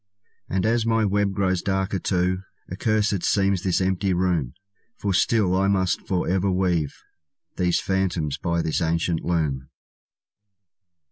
And as my web grows darker too, Accursed seems this empty room; For still I must forever weave These phantoms by this ancient loom.